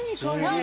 何？